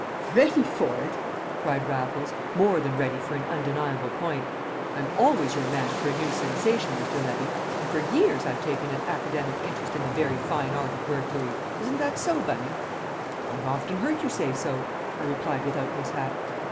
"Ready for it?" cried Raffles, more than ready for an undeniable point. "I'm always your man for a new sensation, Mr. Levy, and for years I've taken an academic interest in the very fine art of burglary; isn't that so, Bunny?" "I've often heard you say so," I replied without mishap.